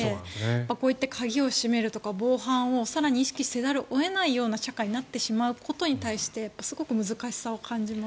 こうやって鍵を閉めるとか防犯を更に意識せざるを得ないような社会になってしまうことにすごく難しさを感じます。